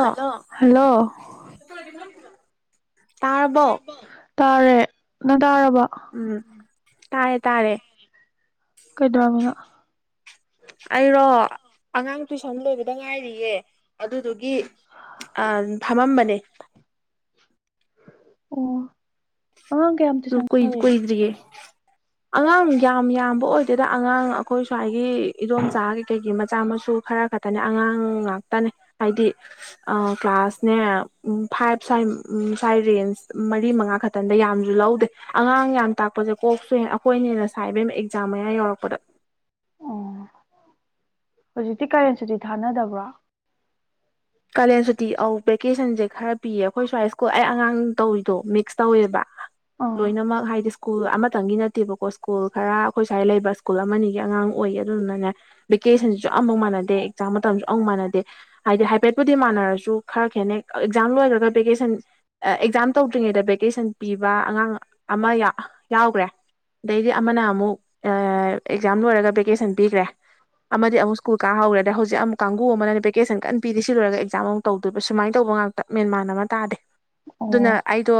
hello hello ꯇꯥꯔꯕꯣ ꯇꯥꯔꯦ ꯅꯪ ꯇꯥꯔꯕꯣ ꯎꯝ ꯇꯥꯔꯦ ꯇꯥꯔꯦ ꯀꯩꯗꯧꯔꯝꯃꯤꯅꯣ ꯑꯩꯔꯣ ꯑꯉꯥꯡ ꯇꯨꯏꯁꯟ ꯂꯣꯏꯕꯗ ꯉꯥꯏꯔꯤꯌꯦ ꯑꯗꯨꯗꯨꯒꯤ ꯑꯥ ꯐꯝꯃꯝꯕꯅꯦ ꯑꯣ ꯑꯉꯥꯡ ꯀꯌꯥꯝ ꯇꯨꯏꯁꯟ ꯀꯨꯏ ꯇꯧꯔꯤꯒꯦ ꯀꯨꯏꯗꯔꯤꯌꯦ ꯑꯉꯥꯡ ꯌꯥꯝ ꯌꯥꯝꯕ ꯑꯣꯏꯗꯦꯗ ꯑꯉꯥꯡ ꯑꯈꯣꯏ ꯁ꯭ꯋꯥꯏꯒꯤ ꯏꯗꯣꯝꯆꯥ ꯀꯩ ꯀꯩꯒꯤ ꯃꯆꯥ ꯃꯁꯨ ꯈꯔ ꯈꯛꯇꯅꯦ ꯑꯉꯥꯡ ꯉꯥꯛꯇꯅꯦ ꯍꯥꯏꯗꯤ ꯀ꯭ꯂꯥꯁꯅꯦ ꯐꯥꯏꯚ ꯁ꯭ꯋꯥꯏ ꯁꯥꯏ ꯔꯦꯟꯁ ꯃꯔꯤ ꯃꯉꯥ ꯈꯛꯇꯪꯗ ꯌꯥꯝꯁꯨ ꯂꯧ ꯗꯦ ꯑꯉꯥꯡ ꯌꯥꯝ ꯇꯥꯛꯄꯁꯦ ꯀꯣꯛ ꯁꯦ ꯑꯩꯈꯣꯏꯅ ꯍꯦꯟꯅ ꯁꯥꯏ ꯏꯕꯦꯝꯃ ꯑꯦꯛꯖꯥꯝ ꯃꯌꯥ ꯌꯧꯔꯛꯄꯗ ꯑꯣ ꯍꯧꯖꯤꯛꯇꯤ ꯀꯥꯂꯥꯟ ꯁꯨꯇꯤ ꯊꯥꯅꯗꯕ꯭ꯔꯣ ꯀꯥꯂꯦꯟ ꯁꯨꯇꯤ ꯑꯧ ꯚꯦꯀꯦꯁꯟꯁꯦ ꯈꯔ ꯄꯤꯌꯦ ꯑꯈꯣꯏ ꯁ꯭ꯋꯥꯏ ꯁ꯭ꯀꯨꯜ ꯑꯩ ꯑꯉꯥꯡ ꯇꯧꯔꯤꯗꯣ ꯃꯤꯛꯁ ꯇꯧꯋꯦꯕ ꯑꯥ ꯂꯣꯏꯅꯃꯛ ꯍꯥꯏꯗꯤ ꯁ꯭ꯀꯨꯜ ꯑꯃꯇꯪꯒꯤ ꯅꯠꯇꯦꯕꯀꯣ ꯁ꯭ꯀꯨꯜ ꯈꯔ ꯑꯩꯈꯣꯏ ꯁ꯭ꯋꯥꯏ ꯂꯩꯕ ꯁ꯭ꯀꯨꯜ ꯑꯃꯅꯤꯒꯤ ꯑꯉꯥꯡ ꯑꯣꯏꯌꯦ ꯑꯗꯨꯗꯨꯅꯅꯦ ꯚꯦꯀꯦꯁꯟꯁꯨ ꯑꯃꯨꯛ ꯃꯅꯗꯦ ꯑꯦꯛꯖꯥꯝ ꯃꯇꯝꯁꯨ ꯑꯝꯕꯨꯛ ꯃꯥꯟꯅꯗꯦ ꯍꯥꯏꯗꯤ ꯍꯥꯏꯐꯦꯠ ꯕꯨꯗꯤ ꯃꯥꯟꯅꯔꯁꯨ ꯈꯔ ꯈꯦꯠꯅꯩ ꯑꯦꯛꯖꯥꯝ ꯂꯣꯏꯈ꯭ꯔꯒ ꯚꯦꯀꯦꯁꯟ ꯑꯦꯛꯖꯥꯝ ꯇꯧꯗ꯭ꯔꯤꯉꯩꯗ ꯚꯦꯀꯦꯁꯟ ꯄꯤꯕ ꯕ ꯑꯉꯥꯡ ꯑꯃ ꯌꯥꯎꯒ꯭ꯔꯦ ꯑꯗꯩꯗꯤ ꯑꯃꯅ ꯑꯃꯨꯛ ꯑꯥ ꯑꯦꯛꯖꯥꯝ ꯂꯣꯏꯔꯒ ꯚꯦꯀꯦꯁꯟ ꯄꯤꯒ꯭ꯔꯦ ꯑꯃꯗꯤ ꯑꯃꯨꯛ ꯁꯀꯨꯜ ꯀꯥ ꯍꯧꯈꯔꯦ ꯍꯧꯖꯤꯛ ꯑꯃꯨꯛ ꯀꯥꯡꯕꯨ ꯑꯃꯅ ꯚꯦꯀꯦꯁꯟ ꯀꯟꯅ ꯄꯤꯔꯤ ꯁꯤ ꯂꯣꯏꯔꯒ ꯑꯦꯛꯖꯥꯝ ꯑꯃꯨ ꯇꯧꯗꯨꯏꯕ ꯁꯨꯃꯥꯏꯅ ꯇꯧꯕ ꯉꯥꯛꯇ ꯃꯦꯟꯃꯥꯟ ꯑꯃ ꯇꯥꯗꯦ ꯑꯗꯨꯅ ꯑꯣ ꯑꯩꯗꯣ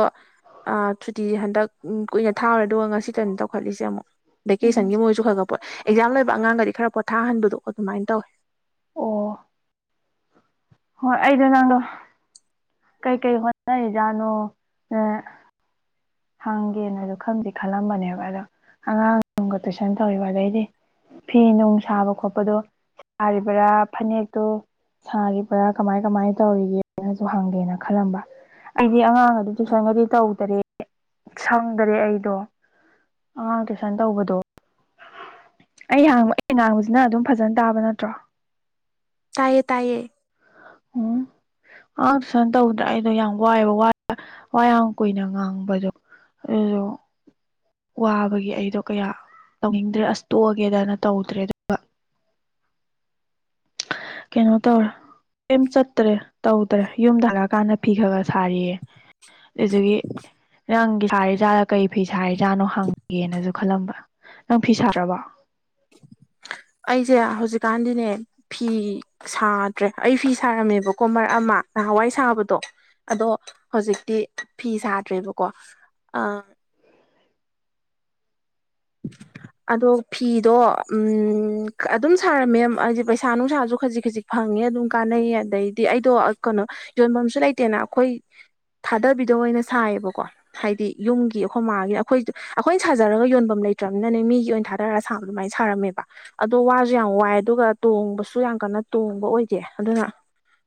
ꯑ ꯁꯨꯇꯤꯁꯦ ꯍꯟꯗꯛ ꯀꯨꯏꯅ ꯊꯥꯔꯨꯔꯦ ꯑꯗꯨꯒ ꯉꯁꯤꯇꯅ ꯇꯧꯈꯠꯂꯤꯁꯦ ꯑꯃꯨꯛ ꯎꯝ ꯚꯦꯀꯦꯁꯟꯒꯤ ꯃꯣꯏꯁꯨ ꯈꯔ ꯈ ꯄꯣꯠ ꯑꯦꯛꯖꯥꯝ ꯂꯣꯏꯕ ꯑꯉꯥꯡꯒꯗꯤ ꯈꯔ ꯄꯣꯊꯥꯍꯟꯕꯗꯣ ꯑꯗꯨꯃꯥꯏꯅ ꯇꯧꯋꯦ ꯑꯣ ꯍꯣꯏ ꯑꯩꯗꯣ ꯅꯪꯗꯣ ꯀꯩ ꯀꯩ ꯍꯣꯅꯔꯤꯖꯥꯠꯅꯣ ꯅ ꯍꯪꯒꯦꯅꯁꯨ ꯈꯪꯗꯤ ꯈꯜꯂꯝꯕꯅꯦꯕ ꯑꯗꯣ ꯑꯉꯥꯡꯒ ꯇꯨꯏꯁꯟ ꯇꯧꯔꯤꯕ ꯑꯗꯩꯗꯤ ꯐꯤ ꯅꯨꯡ ꯁꯥꯕ ꯈꯣꯠꯄꯗꯣ ꯁꯥꯔꯤꯕꯔꯥ ꯐꯅꯦꯛꯇꯣ ꯁꯥꯔꯤꯕ꯭ꯔꯥ ꯀꯃꯥꯏ ꯀꯃꯥꯏꯅ ꯇꯧꯔꯤꯒꯦꯅꯁꯨ ꯍꯪꯒꯦꯅ ꯈꯜꯂꯝꯕ ꯑꯩꯗꯤ ꯑꯉꯥꯡꯒꯗꯤ ꯇꯨꯏꯁꯟꯒꯗꯤ ꯇꯧꯗ꯭ꯔꯦ ꯁꯪꯗꯔꯦ ꯑꯩꯗꯣ ꯑꯉꯥꯡ ꯇꯨꯏꯁꯟ ꯇꯧꯕꯗꯣ ꯑꯩ ꯍꯥꯡꯕ ꯑꯩ ꯉꯥꯡꯕꯁꯤ ꯅꯪ ꯑꯗꯨꯝ ꯐꯖꯅ ꯇꯥꯕ ꯅꯠꯇ꯭ꯔꯣ ꯇꯥꯏꯌꯦ ꯇꯥꯏꯌꯦ ꯎꯝ ꯑꯉꯥꯡ ꯇꯨꯏꯁꯟ ꯇꯧꯗ꯭ꯔꯦ ꯑꯩꯗꯣ ꯌꯥꯝ ꯋꯥꯏꯕ ꯋꯥꯏ ꯋꯥꯌꯥꯝ ꯀꯨꯏꯅ ꯉꯥꯡꯕꯗꯣ ꯑꯗꯨꯗꯣ ꯋꯥꯕꯒꯤ ꯑꯩꯗꯣ ꯀꯌꯥ ꯇꯧꯅꯤꯡꯗ꯭ꯔꯦ ꯑꯁ ꯇꯣꯛꯑꯒꯦꯗꯅ ꯇꯧꯗ꯭ꯔꯦ ꯑꯗꯨ ꯀꯩꯅꯣ ꯇꯧꯔ ꯀꯩꯝ ꯆꯠꯇ꯭ꯔꯦ ꯇꯧꯗ꯭ꯔꯦ ꯌꯨꯝꯗ ꯍꯜꯂꯛꯑꯀꯥꯟꯗ ꯐꯤ ꯈꯔ ꯈꯔ ꯁꯥꯔꯤꯌꯦ ꯑꯗꯨꯗꯨꯒꯤ ꯅꯪꯒꯤ ꯁꯥꯔꯤꯖꯥꯠꯂ ꯀꯔꯤ ꯐꯤ ꯁꯥꯔꯤꯖꯥꯠꯅꯣ ꯍꯪꯒꯦꯅꯁꯨ ꯈꯜꯂꯝꯕ ꯅꯪ ꯐꯤ ꯁꯥꯗ꯭ꯔꯕꯣ [inaudible] ꯑꯩꯁꯦ ꯍꯧꯖꯤꯛꯀꯥꯟꯗꯤꯅꯦ ꯐꯤ ꯁꯥꯗ꯭ꯔꯦ ꯑꯩ ꯐꯤ ꯁꯥꯔꯝꯃꯦꯕꯀꯣ ꯃꯔꯛ ꯑꯃ ꯅꯍꯥꯋꯥꯏ ꯁꯥꯕꯗꯣ ꯑꯗꯣ ꯍꯧꯖꯤꯛꯇꯤ ꯐꯤ ꯁꯥꯗ꯭ꯔꯦꯕꯀꯣ ꯑꯥ [inaudible] ꯑꯗꯣ ꯐꯤꯗꯣ ꯑꯝ ꯑꯗꯨꯝ ꯁꯥꯔꯝꯃꯦ ꯍꯥꯏꯗꯤ ꯄꯩꯁꯥ ꯅꯨꯡꯁꯥꯁꯨ ꯈꯖꯤꯛ ꯈꯖꯤꯛ ꯐꯪꯉꯦ ꯉꯦ ꯑꯗꯨꯝ ꯀꯥꯟꯅꯩꯌꯦ ꯑꯗꯩꯗꯤ ꯑꯩꯗꯣ ꯀꯅꯣ ꯌꯣꯟꯕꯝꯁꯨ ꯂꯩꯇꯦꯅꯥ ꯑꯈꯣꯏ ꯊꯥꯗꯕꯤꯗ ꯑꯣꯏꯅ ꯁꯥꯏꯌꯦꯕꯀꯣ ꯍꯥꯏꯗꯤ ꯌꯨꯝꯒꯤ ꯑꯈꯣꯏ ꯃꯥꯒꯤ ꯑꯈꯣꯏ ꯑꯈꯣꯏꯅ ꯁꯥꯖꯔꯒ ꯌꯣꯟꯕꯝ ꯂꯩ ꯇ꯭ꯔꯝꯅꯤꯅꯅꯦ ꯃꯤꯒꯤ ꯑꯣꯏꯅ ꯊꯥꯗꯔ ꯑꯗꯨꯃꯥꯏ ꯁꯥꯕꯗꯣ ꯁꯥꯔꯝꯃꯦꯕꯥ ꯑꯗꯣ ꯋꯥꯖꯨ ꯌꯥꯝ ꯋꯥꯏ ꯑꯗꯨꯒ ꯇꯣꯡꯕꯁꯨ ꯌꯥꯝ ꯀꯟꯅ ꯇꯣꯡꯕ ꯑꯣꯏꯗꯦ ꯑꯗꯨꯅꯥ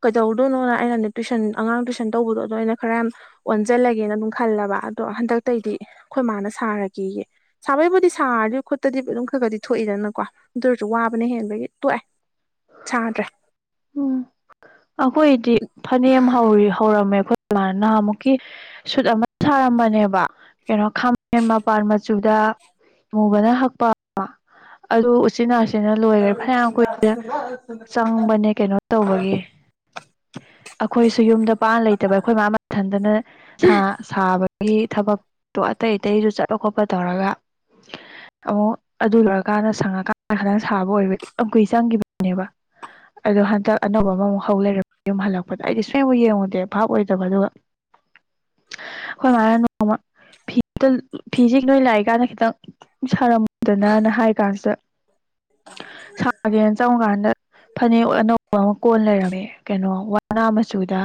ꯀꯩꯗꯧꯔꯨꯗꯣꯏꯅꯣꯅ ꯑꯩꯅ ꯅꯦ ꯇꯨꯏꯁꯟ ꯑꯉꯥꯡ ꯇꯨꯏꯁꯟ ꯇꯧꯕꯗꯣ ꯑꯗꯣ ꯑꯩꯅ ꯈꯔ ꯌꯥꯝ ꯑꯣꯟꯖꯤꯜꯂꯒꯦꯅ ꯑꯗꯨꯝ ꯈꯜꯂꯕꯥ ꯑꯗꯣ ꯍꯟꯗꯛꯇꯩꯗꯤ ꯈꯣꯏ ꯃꯥꯅ ꯁꯥꯔꯒꯦꯌꯦ ꯁꯥꯕꯩꯕꯨꯗꯤ ꯁꯥꯔꯗꯤ ꯈꯨꯠꯇꯗꯤ ꯑꯗꯨꯝ ꯈꯒꯗꯤ ꯊꯣꯛꯏꯗꯅꯀꯣ ꯑꯗꯨ ꯑꯣꯏꯔꯁꯨ ꯋꯥꯕꯅ ꯍꯦꯟꯕꯒꯤ ꯇꯣꯛꯑꯦ ꯁꯥꯗ꯭ꯔꯦ ꯎꯝ ꯑꯈꯣꯏꯗꯤ ꯐꯅꯦꯛ ꯑꯃ ꯍꯧꯔꯤ ꯍꯧꯔꯝꯃꯦ ꯑꯈꯣꯏ ꯃꯥꯅ ꯅꯍꯥꯃꯨꯛꯀꯤ ꯁꯨꯠ ꯑꯃ ꯁꯥꯔꯝꯕꯅꯦꯕ ꯀꯦꯅꯣ ꯈꯥꯃꯦꯟ ꯃꯄꯥꯟ ꯃꯆꯨꯗ ꯗꯥ ꯑꯃꯨꯕꯅ ꯍꯛꯄ ꯑꯗꯨ ꯎꯆꯤꯟ ꯅꯥꯆꯤꯟꯅ ꯅ ꯂꯣꯏꯒ꯭ꯔꯦ ꯐꯅ꯭ꯌꯥꯝ ꯀꯨꯏꯅ ꯆꯪꯕꯅꯦ ꯀꯩꯅꯣ ꯇꯧꯕꯒꯤ [inaudible] ꯑꯈꯣꯏꯁꯨ ꯌꯨꯝꯗ ꯄꯥꯛꯅ ꯂꯩꯇꯕ ꯑꯩꯈꯣꯏ ꯃꯥ ꯃꯊꯟꯗꯅ ꯁꯥ ꯁꯥꯕꯒꯤ ꯊꯕꯛ ꯇꯣ ꯑꯇꯩ ꯑꯇꯩꯖꯨ ꯆꯠꯄ ꯈꯣꯠꯄ ꯇꯧꯔꯒ [inaudible] ꯑꯃꯨꯛ ꯑꯗꯨ ꯂꯣꯏꯔꯀꯥꯟꯗ ꯁꯪꯉꯀꯥꯟꯗ ꯈꯗꯪ ꯁꯥꯕ ꯑꯣꯏꯕꯩ ꯌꯥꯝ ꯀꯨꯏ ꯆꯪꯒꯤꯕꯅꯦꯕꯥ ꯑꯗꯣ ꯍꯟꯗꯛ ꯑꯅꯧꯕ ꯑꯃꯃꯨꯛ ꯍꯧ ꯂꯩꯔꯝ ꯌꯨꯝ ꯍꯜꯂꯛꯄꯗ ꯑꯩꯗꯤ ꯁꯨꯛꯌꯦꯡꯕꯨ ꯌꯦꯡꯉꯨꯗꯦ ꯚꯥꯞ ꯑꯣꯏꯗꯕ ꯑꯗꯨꯒ [inaudible] ꯈꯣꯏ ꯃꯥꯅ ꯅꯣꯡꯃ ꯐꯤ ꯇꯪ ꯐꯤꯁꯦ ꯅꯣꯏ ꯂꯥꯛꯏꯀꯥꯟꯗ ꯈꯤꯇꯪ ꯁꯥꯔꯝ ꯗꯅꯥꯅ ꯍꯥꯏꯀꯥꯟꯁꯤꯗ ꯁꯥꯒꯦꯅ ꯆꯪꯕꯀꯥꯟꯗ ꯅꯦꯛ ꯑꯅꯧꯕꯃ ꯀꯣꯟ ꯂꯩꯔꯝꯃꯦ ꯀꯩꯅꯣ ꯋꯥꯅꯥ ꯃꯆꯨꯗ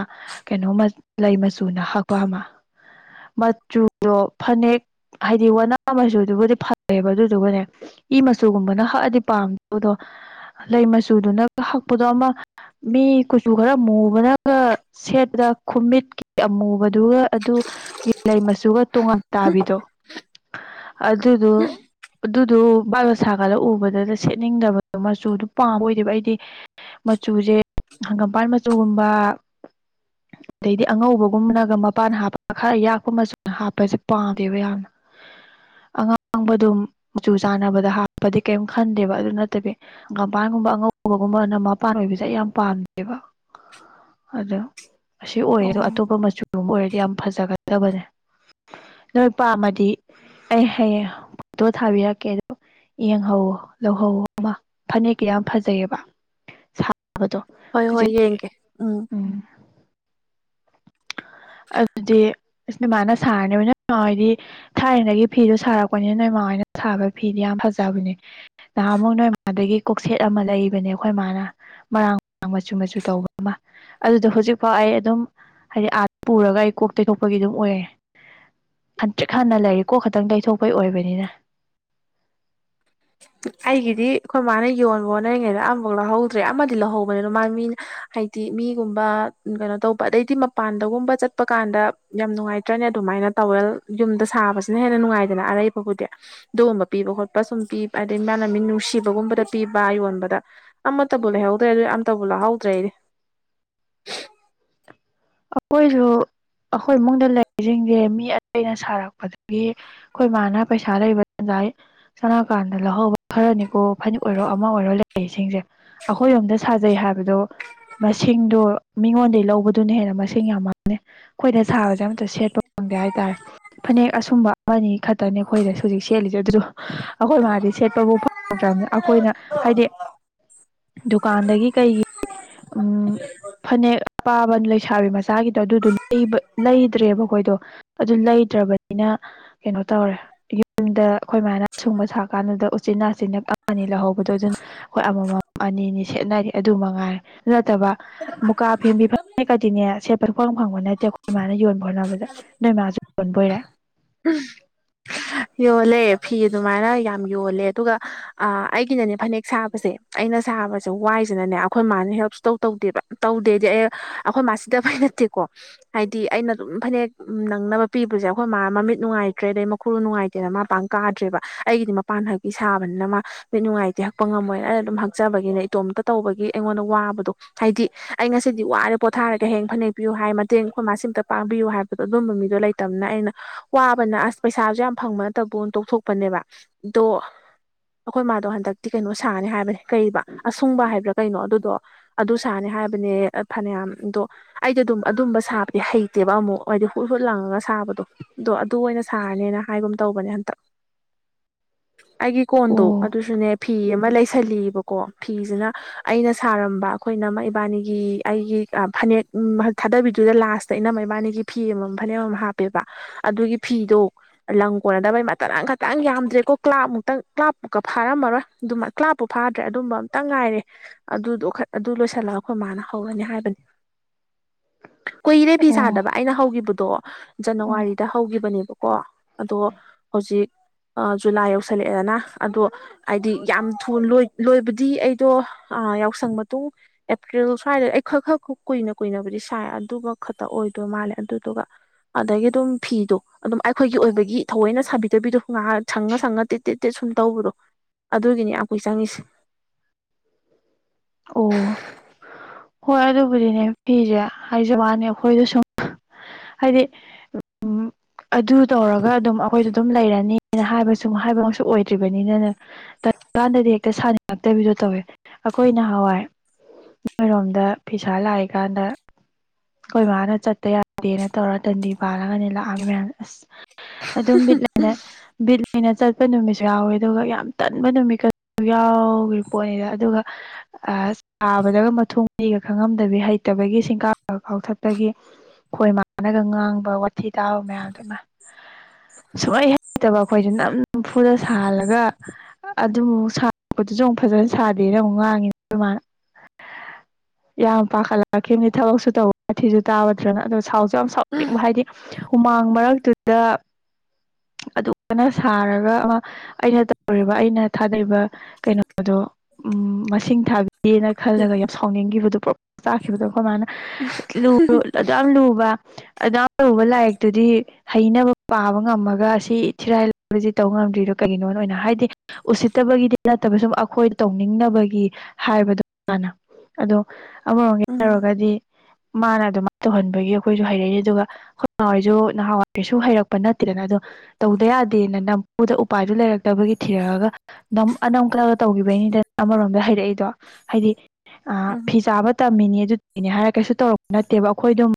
ꯀꯩꯅꯣ ꯃ ꯂꯩ ꯃꯆꯨꯅ ꯍꯛꯄꯃꯥ [inaudible] ꯃꯆꯨꯗꯣ ꯐꯅꯦꯛ ꯍꯥꯏꯗꯤ ꯋꯥꯅꯥ ꯃꯆꯨ ꯗꯨꯕꯨꯗꯤ ꯐꯖꯩꯕ ꯑꯗꯨꯗꯨꯒꯅꯦ ꯏ ꯃꯆꯨꯒꯨꯝꯕꯅ ꯍꯛꯑꯗꯤ ꯄꯥꯝꯗꯧꯕꯗꯣ ꯂꯩ ꯃꯆꯨꯗꯨꯅ ꯍꯛꯄꯗꯣ ꯑꯃ ꯃꯤ ꯀꯨꯆꯨ ꯈꯔ ꯃꯨꯕꯅꯒ ꯁꯦꯠꯄꯗ ꯈꯨꯨꯝꯃꯤꯠꯀꯤ ꯃꯨꯕꯗꯨꯒ ꯑꯗꯨꯒꯤ ꯂꯩ ꯃꯆꯨꯒ ꯇꯣꯉꯥꯟ ꯇꯥꯕꯤꯗꯣ ꯑꯗꯨꯗꯨ ꯑꯗꯨꯗꯨ ꯕꯥꯞꯅ ꯁꯥꯒꯠꯂ ꯎꯕꯗꯨꯗ ꯁꯦꯠꯅꯤꯡꯗꯕꯗꯣ ꯃꯆꯨꯗꯨ ꯄꯥꯝꯕ ꯑꯣꯏꯗꯦꯕ ꯑꯩꯗꯤ ꯃꯆꯨꯖꯦ ꯍꯪꯒꯥꯝꯄꯥꯥꯟ ꯃꯆꯨꯒꯨꯝꯕ [inaudible] ꯑꯗꯩꯗꯤ ꯑꯉꯧꯕꯒꯨꯝꯕꯅꯒ ꯃꯄꯥꯟ ꯍꯥꯞꯄꯒ ꯈꯔ ꯌꯥꯛꯄ ꯃꯆꯨ ꯍꯥꯞꯄꯖꯦ ꯄꯥꯝꯗꯦꯕ ꯌꯥꯝꯅ ꯑꯉꯥꯡꯕꯗꯣ ꯃꯆꯨ ꯆꯥꯟꯅꯕꯗ ꯍꯥꯞꯄꯗꯤ ꯀꯩꯝ ꯈꯟꯗꯦꯕ ꯑꯗꯨ ꯅꯠꯇꯕꯤ ꯍꯪꯒꯥꯄꯥꯟ ꯒꯨꯝꯕ ꯑꯉꯧꯕꯒꯨꯝꯕꯅ ꯃꯄꯥꯟ ꯑꯣꯏꯕꯁꯦ ꯑꯩ ꯌꯥꯝ ꯄꯥꯝꯗꯦꯕ ꯑꯗꯣ ꯑꯁꯤ ꯑꯣꯏꯔꯦ ꯑꯣ ꯑꯗꯣ ꯑꯇꯣꯞꯄ ꯃꯆꯨꯒꯨꯝꯕ ꯑꯣꯏꯔꯗꯤ ꯌꯥꯝ ꯐꯖꯒꯗꯕꯅꯦ ꯅꯣꯏ ꯄꯥꯝꯃꯗꯤ ꯑꯩ ꯍꯌꯦꯡ ꯐꯣꯇꯣ ꯊꯥꯕꯤꯔꯛꯀꯦ ꯑꯗꯣ ꯌꯦꯡꯍꯧꯋꯣ ꯂꯧꯍꯧꯑꯣ ꯑꯃꯥ ꯐꯅꯦꯛꯀꯤꯗꯤ ꯌꯥꯝ ꯐꯖꯩꯑꯦꯕꯥ ꯁꯥ ꯍꯣꯏ ꯍꯣꯏ ꯌꯦꯡꯒꯦ ꯎꯝ ꯑꯗꯨꯗꯤ ꯏꯁ ꯅꯣꯏ ꯃꯥꯥꯅ ꯁꯥꯔꯅꯦꯕ ꯅꯣꯏ ꯏꯃꯥ ꯍꯣꯏꯗꯤ ꯊꯥꯏꯅꯗꯒꯤ ꯐꯤꯗꯣ ꯁꯥꯔꯛꯄꯅꯤꯅ ꯅꯣꯏ ꯃꯥ ꯍꯣꯏꯅ ꯁꯥꯕ ꯐꯤꯗꯤ ꯌꯥꯝ ꯐꯖꯕꯅꯦ ꯅꯍꯥꯟꯃꯨꯛ ꯅꯣꯏꯃꯥꯗꯒꯤ ꯀꯣꯛꯁꯦꯠ ꯑꯃ ꯂꯩꯕꯅꯦ ꯑꯩꯈꯣꯏ ꯃꯥꯅ ꯃꯔꯥꯡ ꯃꯆꯨ ꯃꯆꯨ ꯇꯧꯕ ꯑꯃ ꯑꯗꯨꯗꯣ ꯍꯧꯖꯤꯛꯐꯥꯎ ꯑꯩ ꯑꯗꯨꯝ ꯍꯥꯏꯗꯤ ꯑꯥ ꯄꯨꯔꯒ ꯑꯩ ꯀꯣꯛ ꯇꯩꯊꯣꯛꯄꯒꯤ ꯑꯗꯨꯝ ꯑꯣꯏꯌꯦ ꯍꯟꯇ꯭ꯔꯤꯛ ꯍꯟꯅ ꯂꯩꯔꯤ ꯀꯣꯛ ꯈꯇꯪ ꯇꯩꯊꯣꯛꯄꯩ ꯑꯣꯏꯕꯅꯤꯅꯥ [inaudible] ꯑꯩꯒꯤꯗꯤ ꯑꯈꯣꯏ ꯃꯥꯅ ꯌꯣꯟꯕ ꯍꯣꯠꯅꯔꯤꯉꯩꯗ ꯑꯝꯕꯣꯛ ꯂꯧꯍꯧꯗ꯭ꯔꯦ ꯑꯃꯗꯤ ꯂꯧꯍꯧꯕꯅꯦ ꯑꯗꯣ ꯃꯥꯗꯤ ꯃꯤꯅ ꯍꯥꯏꯗꯤ ꯃꯤꯒꯨꯝꯕ ꯀꯩꯅꯣ ꯇꯧꯕ ꯑꯗꯩꯗꯤ ꯃꯄꯥꯟꯗꯒꯨꯝꯕ ꯆꯠꯄ ꯀꯥꯟꯗ ꯌꯥꯝ ꯅꯨꯡꯉꯥꯏꯇ꯭ꯔꯅꯦ ꯑꯗꯨꯃꯥꯏꯅ ꯇꯧ ꯇꯋꯦꯜ ꯌꯨꯝꯗ ꯁꯥꯕꯁꯤꯅ ꯍꯦꯟꯅ ꯅꯨꯡꯉꯥꯏꯗꯅ ꯑꯔꯩꯕꯕꯨꯗꯤ ꯑꯗꯨꯒꯨꯝꯕ ꯄꯤꯕ ꯈꯣꯠꯄ ꯁꯨꯝ ꯄꯤꯕ ꯑꯗꯩ ꯃꯥꯅ ꯃꯤ ꯅꯨꯡꯁꯤꯕꯗꯒꯨꯝꯕꯗ ꯄꯤꯕ ꯌꯣꯟꯕꯗ ꯑꯃꯇꯕꯨ ꯂꯩꯍꯧꯗ꯭ꯔꯦ ꯑꯗꯨ ꯑꯃꯇꯕꯨ ꯂꯍꯧꯗ꯭ꯔꯦ ꯑꯩꯗꯤ [inaudible] ꯑꯈꯣꯏꯖꯨ ꯑꯩꯈꯣꯏ ꯏꯃꯨꯡꯗ ꯂꯩꯔꯤꯁꯤꯡꯁꯦ ꯃꯤ ꯑꯇꯩꯅ ꯁꯥꯔꯛꯄꯗꯒꯤ ꯑꯩꯈꯣꯏ ꯃꯥꯅ ꯄꯩꯁꯥ ꯂꯩꯕ ꯇꯟꯖ ꯁꯅꯀꯥꯟꯗ ꯂꯧꯍꯧꯕ ꯈꯔꯅꯤꯀꯣ ꯐꯅꯦꯛ ꯑꯣꯏꯔꯣ ꯑꯃ ꯑꯣꯏꯔꯣ ꯂꯩꯁꯤꯡꯁꯦ ꯑꯩꯈꯣꯏꯔꯣꯝꯗ ꯁꯥꯖꯩ ꯍꯥꯏꯕꯗꯣ ꯃꯁꯤꯡꯗꯣ ꯃꯤꯉꯣꯟꯗꯩ ꯂꯧꯕꯗꯨꯅ ꯍꯦꯟꯅ ꯃꯁꯤꯡ ꯌꯥꯝꯃꯝꯅꯤ ꯑꯩꯈꯣꯏꯅ ꯁꯥꯕꯁꯦ ꯁꯦꯠꯄ ꯐꯪꯗꯦ ꯍꯥꯏꯇꯥꯔꯦ ꯐꯅꯦꯛ ꯑꯁꯨꯡꯕ ꯑꯃꯅꯤ ꯈꯛ ꯇꯅꯦ ꯑꯩꯈꯣꯏꯗ ꯍꯧꯖꯤꯛ ꯁꯦꯠꯂꯤꯁꯦ ꯑꯗꯨꯗ ꯑꯩꯈꯣꯏ ꯃꯥꯗꯤ ꯁꯦꯠꯄꯕꯨ ꯐꯪꯗ꯭ꯔꯕꯅꯤ ꯑꯩꯈꯣꯏꯅ ꯍꯥꯏꯗꯤ ꯗꯨꯀꯥꯟꯗꯒꯤ ꯀꯩꯒꯤ ꯎꯝ ꯐꯅꯦꯛ ꯑꯄꯥꯕ ꯂꯩꯁꯥꯥꯕꯤ ꯃꯆꯥꯒꯤꯗꯣ ꯑꯗꯨꯗꯣ ꯂꯩꯕ ꯂꯩꯗ꯭ꯔꯦꯕ ꯑꯩꯈꯣꯏꯗꯣ ꯑꯗꯨ ꯂꯩꯇ꯭ꯔꯕꯅꯤꯅ ꯀꯩꯅꯣ ꯇꯧꯔꯦ ꯌꯨꯝꯗ ꯑꯩꯈꯣꯏ ꯃꯥꯏꯅ ꯑꯁꯨꯡꯕ ꯁꯥ ꯀꯥꯟꯗꯨꯗ ꯎꯆꯤꯟꯅꯥꯆꯤꯟꯅ ꯑꯃꯅꯤ ꯂꯧꯍꯧꯕꯗꯣ ꯑꯗꯨꯅ ꯑꯩꯈꯣꯏ ꯑꯃꯃꯝ ꯑꯅꯤꯅꯤ ꯁꯦꯠꯅꯔꯤ ꯑꯗꯨ ꯃꯉꯥꯏꯔꯦ ꯑꯗꯨ ꯅꯠꯇꯕ ꯃꯨꯀꯥ ꯐꯦꯟꯕꯤ ꯐꯥ ꯅꯦꯛꯀꯗꯤꯅꯦ ꯁꯦꯠꯄ ꯁꯨꯐꯪ ꯐꯪꯕ ꯅꯠꯇꯦ ꯑꯩꯈꯣꯏ ꯏꯃꯥꯅ ꯌꯣꯟꯕ ꯍꯣꯠꯅꯕꯗ ꯅꯣꯏꯃꯥꯁꯨ ꯌꯣꯟꯕꯣꯏꯔꯦ [inaudible] ꯌꯣꯜꯂꯦ ꯐꯤ ꯑꯗꯨꯃꯥꯏꯅ ꯌꯥꯝ ꯌꯣꯜꯂꯦ ꯑꯗꯨꯒ ꯑꯥ ꯑꯩꯒꯤꯅꯅꯦ ꯐꯅꯦꯛ ꯁꯥꯕꯁꯦ ꯑꯩꯅ ꯅ ꯁꯥꯕꯁꯦ ꯋꯥꯏꯁꯤꯅꯅꯦ ꯑꯩꯈꯣꯏ ꯃꯥꯅ ꯍꯦꯜꯞ ꯁꯨꯡꯇꯧ ꯇꯧꯗꯦꯕ ꯇꯧꯗꯦꯗꯤ ꯑꯩ ꯑꯩꯈꯣꯏ ꯃꯥ ꯁꯤꯗꯕꯩ ꯅꯠꯇꯦ ꯀꯣ ꯍꯥꯏꯗꯤ ꯑꯩꯅ ꯑꯗꯨꯝ ꯐꯅꯦꯛ ꯅꯪꯅꯕ ꯄꯤꯕꯁꯦ ꯑꯩꯈꯣꯏ ꯃꯥ ꯃꯃꯤꯠ ꯅꯨꯡꯉꯥꯏꯇ꯭ꯔꯦ ꯑꯗꯩ ꯃꯈꯨ ꯅꯨꯡꯉꯥꯏꯇ꯭ꯔꯦ ꯇꯦꯅ ꯃꯥ ꯄꯥꯡ ꯀꯥꯗ꯭ꯔꯦꯕ ꯑꯩꯒꯤꯗꯤ ꯃꯄꯥꯟ ꯍꯛꯀꯤ ꯁꯥꯕꯅꯤꯅ ꯃꯥ ꯃꯤꯠ ꯅꯨꯡꯉꯥꯏꯇꯦ ꯍꯛꯄ ꯉꯝꯃꯣꯏꯅ ꯑꯩꯅ ꯑꯗꯨꯝ ꯍꯛꯆꯕ ꯕꯒꯤ ꯏꯇꯣꯝꯇ ꯇꯧꯕꯒꯤ ꯑꯩꯉꯣꯟꯗ ꯋꯕꯗꯣ ꯍꯏꯗꯤ ꯑꯩ ꯉꯁꯤꯗꯤ ꯋꯔꯦ ꯄꯣꯊꯔꯒꯦ ꯍꯌꯦꯡ ꯐꯅꯦꯛ ꯄꯤꯌꯨ ꯍꯥꯏ ꯃꯇꯦꯡ ꯑꯩꯈꯣꯏ ꯃꯥ ꯁꯤꯃꯇ ꯄꯥꯡꯕꯤꯌꯨ ꯍꯥꯏꯕꯗꯣ ꯑꯗꯨꯝꯕ ꯃꯤꯗꯣ ꯂꯩꯇꯃꯤꯅ ꯑꯩꯅ ꯋꯕꯅꯤꯅ ꯑꯁ ꯄꯩꯁꯖꯨ ꯌꯥꯝ ꯐꯪꯕ ꯅꯠꯇꯕꯨꯅ ꯇꯣꯛꯊꯣꯛꯄꯅꯦꯕ ꯑꯗꯣ ꯑꯩꯈꯣꯏ ꯃꯥꯗꯣ ꯍꯟꯗꯛꯇꯤ ꯀꯩꯅꯣ ꯁꯥꯅꯤ ꯍꯥꯏꯕꯅꯦ ꯀꯩꯕ ꯑꯁꯨꯡꯕ ꯍꯥꯏꯕ꯭ꯔꯥ ꯀꯩꯅꯣ ꯑꯗꯨꯗꯣ ꯑꯗꯨ ꯁꯥꯅꯤ ꯍꯥꯏ ꯍꯥꯏꯕꯅꯦ ꯐꯅꯌꯥꯝꯗꯣ ꯑꯩꯗꯤ ꯑꯗꯨꯝ ꯑꯗꯨꯝꯕ ꯁꯥꯕꯗꯤ ꯍꯩꯇꯦꯕ ꯑꯃꯨꯛ ꯍꯥꯏꯗꯤ ꯍꯨꯠ ꯍꯨꯠ ꯂꯪꯉꯒ ꯁꯥ ꯁꯥꯕꯗꯣ ꯑꯗꯣ ꯑꯗꯨ ꯑꯣꯏꯅ ꯁꯥꯔꯅꯤꯅ ꯍꯥꯏꯒꯨꯝ ꯇꯧꯕꯅꯦ ꯍꯟꯇꯛ ꯑꯩꯒꯤ ꯀꯣꯟꯗꯣ ꯑꯣ ꯑꯗꯨꯁꯨꯅꯦ ꯐꯤ ꯑꯃ ꯂꯩ ꯁꯜꯂꯤꯑꯕꯀꯣ ꯐꯤꯁꯤꯅ ꯑꯩꯅ ꯁꯥꯔꯝꯕ ꯑꯩꯈꯣꯏ ꯏꯅꯝꯃ ꯏꯕꯥꯅꯤꯒꯤ ꯑꯩꯒꯤ ꯐꯅꯦꯛ ꯎꯝ ꯊꯥꯗꯕꯤꯗꯨꯗ ꯂꯥꯁꯇ ꯏꯅꯝꯃ ꯏꯕꯥꯅꯤꯒꯤ ꯐꯤ ꯑꯃꯃꯝ ꯐꯅꯦꯛ ꯑꯃꯃꯝ ꯍꯥꯞꯄꯦꯕ ꯑꯗꯨꯒꯤ ꯐꯤꯗꯣ ꯂꯪ ꯀꯣꯟꯅꯗꯕꯩ ꯃꯇꯠ ꯑꯃꯈꯇꯪ ꯌꯥꯝꯗ꯭ꯔꯦꯀꯣ ꯀ꯭ꯂꯥꯞꯃꯨꯛꯇꯪ ꯀ꯭ꯂꯥꯞꯄꯨ ꯐꯥꯔꯝꯃꯔꯣꯏ ꯑꯗꯨ ꯀ꯭ꯂꯥꯞꯄꯨ ꯐꯥ ꯐꯗ꯭ꯔꯦ ꯑꯗꯨꯝꯕ ꯑꯝꯇꯪ ꯉꯥꯏꯔꯦ ꯑꯗꯨꯗꯣ ꯑꯗꯨ ꯂꯣꯏꯁꯤꯜꯂꯒ ꯑꯩꯈꯣꯏ ꯃꯥꯅ ꯍꯧꯔꯅꯤ ꯍꯥꯏꯕꯅꯤ [inaudible] ꯀꯣꯏꯔꯦ ꯐꯤ ꯑꯣ ꯁꯥꯗꯕ ꯑꯩꯅ ꯍꯧꯈꯤꯕꯗꯣ ꯑꯣ ꯖꯅꯋꯥꯔꯤꯗ ꯍꯧꯈꯤꯕꯅꯦꯕꯀꯣ ꯑꯗꯣ ꯍꯧꯖꯤꯛ ꯑꯥ ꯖꯨꯂꯥꯏ ꯌꯧꯁꯜꯂꯛꯑꯦꯗꯅ ꯑꯗꯣ ꯍꯥꯏꯗꯤ ꯌꯥꯝ ꯊꯨꯅ ꯂꯣꯏꯕꯗꯤ ꯑꯩꯗꯣ ꯑꯥ ꯌꯥꯎꯁꯪ ꯃꯇꯨꯡ ꯑꯦꯄ꯭ꯔꯤꯜ ꯁ꯭ꯋꯥꯏꯗ ꯑꯩ ꯈꯔ ꯈꯔ ꯀꯨꯏꯅ ꯀꯨꯏꯅꯕꯨꯗꯤ ꯁꯥꯏ ꯑꯗꯨꯒ ꯈꯛꯇ ꯑꯣꯏꯗꯣꯏ ꯃꯥꯜꯂꯦ ꯑꯗꯨꯗꯨꯒ ꯑꯗꯒꯤ ꯑꯗꯨꯝ ꯐꯤꯗꯣ ꯑꯗꯨꯝ ꯑꯩꯈꯣꯏꯒꯤ ꯑꯣꯏꯕꯒꯤ ꯒꯤ ꯊꯑꯣꯏꯅ ꯁꯥꯕꯤꯗꯕꯤꯗꯣ ꯉꯥꯏꯍꯛ ꯁꯪꯉ ꯁꯪꯉ ꯇꯦꯠ ꯇꯦꯠ ꯁꯨꯝ ꯇꯧꯕꯗꯣ ꯑꯗꯨꯒꯤꯅꯤ ꯌꯥꯝ ꯀꯨꯏꯅ ꯆꯪꯉꯤꯁꯦ ꯑꯣ ꯍꯣꯏ ꯑꯗꯨꯕꯨꯗꯤꯅꯦ ꯐꯤꯖꯦ ꯍꯏꯖꯋꯥꯅꯤ ꯑꯩꯈꯣꯏꯗ ꯁꯨꯝ ꯍꯥꯏꯗꯤ ꯎꯝ ꯑꯗꯨ ꯇꯧꯔꯒ ꯑꯗꯨꯝ ꯑꯩꯈꯣꯏꯗꯣ ꯑꯗꯨꯝ ꯂꯩꯔꯅꯤꯅ ꯍꯥꯏꯕꯁꯨ ꯍꯥꯏꯕꯃꯛꯁꯨ ꯑꯣꯏꯗ꯭ꯔꯤꯕꯅꯤꯅꯅꯦ ꯇꯜꯂ ꯀꯥꯟꯗꯗꯤ ꯍꯦꯛꯇ ꯁꯥꯅꯤꯡꯉꯛꯇꯕꯤꯗꯣ ꯇꯧꯋꯦ ꯑꯩꯈꯣꯏ ꯅꯍꯋꯥꯏ ꯅꯣꯏꯔꯣꯝꯗ ꯐꯤꯁꯥ ꯂꯥꯛꯏꯀꯥꯟꯗ ꯑꯩꯈꯣꯏ ꯃꯥꯅ ꯆꯠꯇ ꯌꯥꯗꯦꯅ ꯇꯧꯔ ꯗꯟꯗꯤ ꯄꯥꯜꯂꯒꯅꯦ ꯂꯥꯛꯑꯝꯃꯤ ꯃꯌꯥꯝ ꯑꯁ ꯑꯗꯨꯝ ꯕꯤꯠ ꯂꯩꯅ ꯕꯤꯠ ꯂꯩꯅ ꯆꯠꯄ ꯅꯨꯃꯤꯠꯁꯨ ꯌꯥꯎꯋꯦ ꯑꯗꯨꯒ ꯌꯥꯝ ꯇꯟꯕ ꯅꯨꯃꯤꯠꯀ ꯌꯥꯎꯔꯤꯄꯣꯠꯅꯤꯗ ꯑꯗꯨꯒ ꯁꯥꯕꯗꯒ ꯃꯠ ꯐꯨꯡꯒ꯭ꯔꯤꯒ ꯈꯪꯉꯝꯗꯕꯤ ꯍꯩꯇꯕꯒꯤ ꯁꯤꯡꯀꯥꯞꯀ ꯀꯥꯎꯊꯠꯄꯒꯤ ꯈꯣꯏ ꯃꯥꯟꯅꯒ ꯉꯥꯡꯕ ꯋꯥꯊꯤ ꯇꯥꯕ ꯃꯌꯥꯝꯗꯨ ꯏꯃꯥ ꯁꯨꯍꯩ ꯍꯩꯇꯕ ꯑꯩꯈꯣꯏꯁꯦ ꯅꯝꯐꯨꯗ ꯁꯥꯍꯜꯂꯒ ꯑꯗꯨ ꯁꯥꯕꯗꯨꯁꯨ ꯑꯃꯨꯛ ꯐꯖꯅ ꯁꯥꯗꯦꯅ ꯑꯃꯨꯛ ꯉꯥꯡꯉꯤꯅꯤ ꯈꯣꯏꯃꯅ [inaudible] ꯌꯥꯝ ꯄꯥꯈꯠꯂꯛꯈꯤꯅꯤ ꯊꯕꯛꯁꯨ ꯇꯧꯕꯥ ꯋꯥꯊꯤꯁꯨ ꯇꯥꯕ ꯑꯗꯣ ꯁꯥꯎꯁꯨ ꯌꯥꯝ ꯁꯥꯎꯅꯤꯡꯕ ꯍꯥꯏꯗꯤ ꯍꯨꯃꯥꯡ ꯃꯔꯛꯇꯨꯗ ꯑꯗꯨꯛ ꯀꯟꯅ ꯁꯥꯔꯒ ꯑꯃ ꯑꯩꯅ ꯇꯧꯔꯤꯕ ꯑꯩꯅ ꯊꯥꯗꯔꯤꯕ ꯀꯩꯅꯣꯗꯣ ꯎꯝ ꯃꯁꯤꯡ ꯊꯥꯕꯤꯗꯦꯅ ꯈꯜꯂꯒ ꯒꯤꯕꯗꯣ ꯄꯔꯣꯛ ꯄꯔꯣꯀ ꯆꯥꯛꯈꯤꯕꯗꯣ ꯑꯈꯣꯏ ꯃꯅꯥ ꯂꯨꯕ ꯑꯗꯨ ꯌꯥꯝ ꯂꯨꯕ ꯑꯗꯨꯛ ꯌꯥꯝ ꯂꯨꯕꯥ ꯂꯥꯏꯔꯤꯛꯇꯨꯗꯤ ꯍꯩꯅꯕ ꯄꯥꯕ ꯉꯝꯃꯒ ꯁꯤ ꯊꯤꯔꯥꯏ ꯂꯥꯏꯕꯁꯤ ꯇꯧ ꯉꯝꯗ꯭ꯔꯤꯗꯣ ꯀꯩꯒꯤꯅꯣꯅ ꯍꯥꯏꯗꯤ ꯎꯁꯤꯠꯇꯕꯒꯤꯗꯤ ꯅꯠꯇꯕ ꯁꯨꯝ ꯑꯈꯣꯏ ꯇꯧꯅꯤꯡꯅꯕꯒꯤ ꯍꯥꯏꯕꯗꯣ ꯃꯥꯅ ꯑꯗꯣ ꯑꯃꯔꯣꯝꯒꯤ ꯎꯝ ꯍꯥꯏꯔꯣꯒꯗꯤ ꯃꯥꯅ ꯑꯗꯨꯃꯥꯏꯅ ꯇꯧꯍꯟꯕꯒꯤ ꯑꯈꯣꯏꯁꯨ ꯍꯩꯔꯛꯏꯅꯦ ꯑꯗꯨꯒ ꯑꯈꯣꯏ ꯃꯥ ꯍꯣꯏꯁꯨ ꯅꯍꯥꯟꯋꯥꯏ ꯀꯩꯁꯨ ꯍꯩꯔꯛꯄ ꯅꯠꯇꯦ ꯑꯗꯣ ꯇꯧꯗ ꯌꯥꯗꯦꯅ ꯅꯝꯐꯨꯗ ꯎꯄꯥꯏꯗꯨ ꯂꯩꯔꯛꯇꯕꯒꯤ ꯊꯤꯔꯛꯑꯒ ꯅꯝ ꯑꯅꯝ ꯀꯟꯂꯒ ꯇꯧ ꯇꯧꯒꯤꯕꯩꯅꯤꯗꯅ ꯑꯃꯔꯣꯝꯗ ꯍꯩꯔꯛꯏꯗꯣ ꯍꯥꯢꯗꯤ ꯎꯝ ꯑꯥ ꯎꯝ ꯐꯤ ꯁꯥꯕ ꯇꯝꯃꯤꯅꯦ ꯑꯗꯨ ꯅꯦ ꯍꯥꯏꯔ ꯀꯩꯁꯨ ꯇꯧꯔꯛꯄ ꯅꯠꯇꯦꯕ ꯑꯈꯣꯏꯗꯨꯝ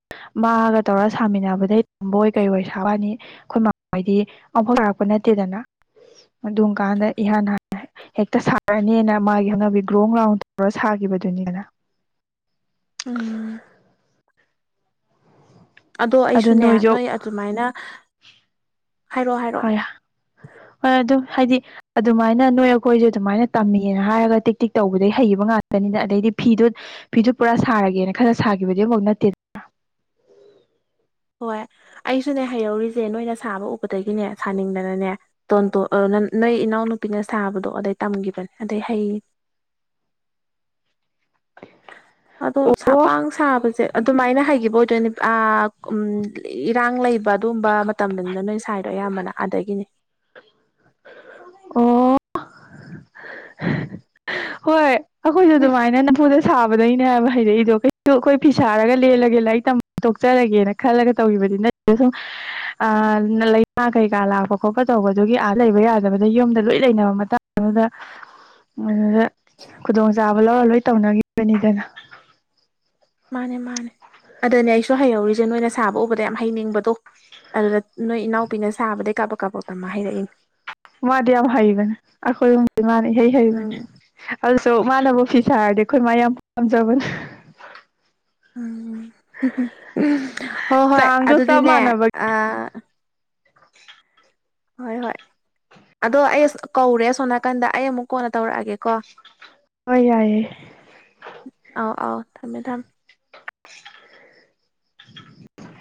ꯃꯥꯒ ꯇꯧꯔ ꯁꯥꯃꯤꯟꯅꯕꯗꯩ ꯇꯝꯕꯣꯏ ꯀꯩꯕꯣꯏ ꯁꯥꯕ ꯋꯥꯅꯤ ꯑꯈꯣꯏ ꯃꯥ ꯍꯣꯏꯗꯤ ꯑꯃꯨꯐꯣꯛ ꯁꯥꯔꯛꯄ ꯅꯠꯇꯦ ꯅꯠꯇꯦꯗꯅ ꯑꯗꯨꯝ ꯀꯥꯟꯗ ꯏꯍꯥꯟ ꯍꯥꯟꯅ ꯍꯦꯛꯇ ꯁꯥꯔꯅꯤꯅ ꯃꯥꯒꯤ ꯍꯧꯅꯕꯤ ꯒ꯭ꯔꯣꯡ ꯂꯥꯎꯟ ꯇꯧꯔ ꯁꯥꯒꯤꯕꯗꯨꯅꯤꯗꯅ ꯎꯝ ꯑꯗꯣ ꯑꯗꯨ ꯑꯩꯁꯨꯅꯦ ꯅꯣꯏꯁꯨ ꯅꯣꯏ ꯑꯗꯨꯃꯥꯏꯅ ꯍꯥꯏꯔꯛꯑꯣ ꯍꯥꯏꯔꯛꯑꯣ ꯍꯣꯏ ꯑꯗꯨ ꯍꯥꯏꯗꯤ ꯑꯗꯨꯃꯥꯏꯅ ꯅꯣꯏ ꯑꯈꯣꯏꯁꯦ ꯑꯗꯨꯃꯥꯏꯅ ꯇꯝꯃꯤꯅꯦ ꯍꯥꯏꯔꯒ ꯇꯤꯛ ꯇꯤꯛ ꯇꯧꯕꯗꯩ ꯍꯩꯒꯤꯕ ꯉꯥꯛꯇꯅꯤ ꯅꯤꯗ ꯑꯗꯩꯗꯤ ꯐꯤꯗꯨ ꯐꯤꯗꯨ ꯄꯨꯔꯥ ꯁꯥꯔꯒꯦꯅ ꯈꯜꯂ ꯁꯥꯈꯤꯕꯗꯤ ꯑꯃꯐꯥꯎ ꯅꯠꯇꯦꯗ ꯍꯣꯏ ꯑꯩꯁꯨꯅꯦ ꯍꯩꯍꯧꯔꯤꯁꯦ ꯅꯣꯏꯅ ꯁꯥꯕ ꯎꯕꯗꯒꯤꯅꯦ ꯁꯥꯅꯤꯡꯗꯅꯅꯦ ꯇꯣꯟꯇꯣꯟ ꯑꯥ ꯅ ꯅꯣꯏ ꯏꯅꯥꯎꯅꯨꯄꯤꯅ ꯁꯥꯕꯗꯣ ꯑꯗꯩ ꯇꯝꯈꯤꯕꯅꯦ ꯑꯗꯩ ꯍꯩ ꯑꯗꯣ ꯁꯥ ꯑꯣ ꯄꯥꯡ ꯁꯥꯕꯁꯦ ꯑꯗꯨꯃꯥꯏꯅ ꯍꯩꯒꯤꯕ ꯑꯣ ꯑꯥ ꯎꯝ ꯏꯔꯥꯡ ꯂꯩꯕ ꯑꯗꯨꯝꯕ ꯃꯇꯝꯗꯅꯤꯅ ꯅꯣꯏ ꯁꯥꯏꯗꯣ ꯑꯌꯥꯝꯕꯅ ꯑꯗꯒꯤꯅꯤ [inaudible] ꯑꯣ ꯍꯣꯏ ꯑꯈꯣꯏꯁꯨ ꯑꯗꯨꯃꯥꯏꯅ ꯅꯝꯐꯨꯗ ꯁꯥꯕꯗꯩꯅꯦ ꯍꯥꯏꯕ ꯍꯩꯔꯛꯏꯗꯣ ꯀꯩꯁꯨ ꯑꯈꯣꯏ ꯐꯤꯁꯥꯔꯒ ꯂꯦꯜꯂꯒꯦ ꯂꯥꯏꯔꯤꯛ ꯇꯝꯕ ꯇꯣꯛꯆꯔꯒꯦꯅ ꯈꯜꯂ ꯇꯧꯈꯤꯕꯥ ꯕꯗꯤ ꯅꯠꯇꯦ ꯁꯨꯝ ꯑꯥ ꯂꯩꯅꯥ ꯀꯩꯀꯥ ꯂꯥꯛꯄ ꯈꯣꯠꯄ ꯇꯧꯕꯗꯨꯒꯤ ꯑꯥ ꯂꯩꯕ ꯌꯥꯗꯕ [unintelligible] ꯌꯨꯝꯗ ꯂꯣꯏ ꯂꯩꯅꯕ ꯃꯇꯥꯡ ꯗꯨꯗꯥ ꯑꯗꯨꯗ ꯈꯨꯗꯣꯡꯆꯥꯥꯕ ꯂꯧꯔ ꯂꯣꯏ ꯇꯧꯅꯈꯤꯕꯅꯤꯗꯅ [inaudible] ꯃꯥꯅꯦ ꯃꯥꯅꯦ ꯑꯗꯅꯦ ꯑꯩꯁꯨ ꯍꯩꯍꯧꯔꯤꯁꯦ ꯅꯣꯏꯅ ꯁꯥꯕ ꯎꯕꯗ ꯌꯥꯝ ꯍꯩꯅꯤꯡꯕꯗꯣ ꯑꯗꯨꯗ ꯅꯣꯏ ꯏꯅꯥꯎꯄꯤꯅ ꯁꯥꯕꯗꯩ ꯀꯥꯕꯛ ꯀꯥꯕꯛ ꯇꯝꯃ ꯍꯩꯔꯛꯏꯅꯦ ꯃꯥꯗꯤ ꯌꯥꯝ ꯍꯩꯕꯅꯦ ꯑꯈꯣꯏ ꯍꯝꯗꯩ ꯃꯅꯥ ꯏꯍꯩ ꯍꯩꯕꯥꯅꯦ ꯎꯝ ꯗꯣ ꯃꯅꯥꯕꯨ ꯐꯤ ꯁꯔꯗꯤ ꯑꯈꯣꯏ ꯃꯥ ꯌꯥꯝ ꯄꯥꯝꯖꯕꯅꯦ ꯎꯝ ꯍꯨ ꯍꯨ ꯎꯝ ꯍꯣꯏ ꯍꯣꯏ ꯆꯥꯡꯗꯣ ꯆꯞ ꯑꯗꯨꯗꯤꯅꯦ ꯃꯥꯟꯅꯕꯒꯤ ꯑꯥ [inaudible] ꯍꯣꯏ ꯍꯣꯏ ꯑꯗꯣ ꯑꯩ ꯀꯧꯔꯦ ꯑꯁꯣꯟ ꯅꯥꯀꯟꯗ ꯑꯩ ꯑꯃꯨꯛ ꯀꯣꯟꯅ ꯇꯧꯔꯛꯑꯒꯦꯀꯣ ꯍꯣꯏ ꯌꯥꯏꯌꯦ ꯑꯧ ꯑꯧ ꯊꯝꯃꯦ ꯊꯝ [inaudible]